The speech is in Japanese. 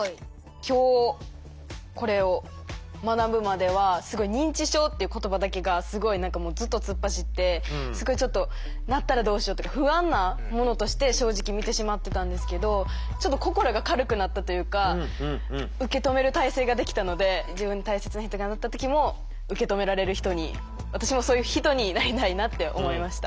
今日これを学ぶまではすごい認知症っていう言葉だけがすごい何かもうずっと突っ走ってちょっとなったらどうしようとか不安なものとして正直見てしまってたんですけどちょっと心が軽くなったというか受け止める態勢ができたので自分の大切な人がなった時も受け止められる人に私もそういう人になりたいなって思いました。